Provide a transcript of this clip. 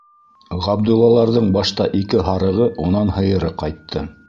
Ғабдуллаларҙың башта ике һарығы, унан һыйыры ҡайтты.